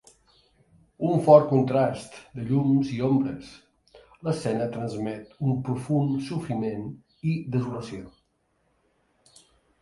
En un fort contrast de llums i ombres, l'escena transmet un profund sofriment i desolació.